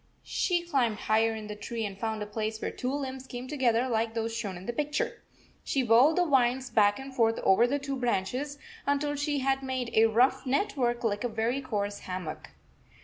She 66 climbed higher in the tree and found a place where two limbs came together like those shown in the picture: She wove the vines back and forth over the two branches until she had made a rough net work like a very coarse hammock.